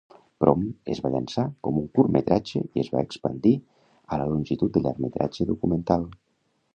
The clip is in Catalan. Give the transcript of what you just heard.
"Prom" es va llançar com un curtmetratge i es va expandir a la longitud de llargmetratge documental.